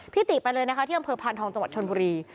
ติไปเลยนะคะที่อำเภอพานทองจังหวัดชนบุรี